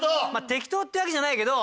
適当ってわけじゃないけど。